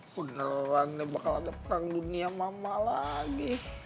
beneran ya bakal ada perang dunia mama lagi